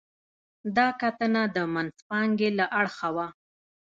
دا کتنه د منځپانګې له اړخه وه.